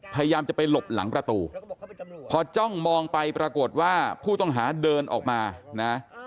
พยายามจะไปหลบหลังประตูพอจ้องมองไปปรากฏว่าผู้ต้องหาเดินออกมานะ